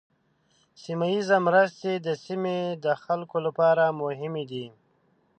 سیمه ایزه مرستې د سیمې د خلکو لپاره مهمې دي.